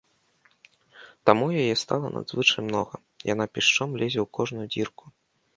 Таму яе стала надзвычай многа, яна пішчом лезе ў кожную дзірку.